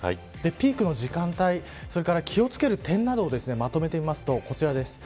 ピークの時間帯それから気を付ける点などをまとめてみると、こちらです。